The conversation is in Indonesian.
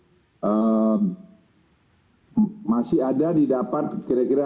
jadi masih ada didapat kira kira